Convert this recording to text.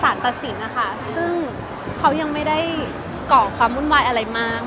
ตัดสินนะคะซึ่งเขายังไม่ได้ก่อความวุ่นวายอะไรมาก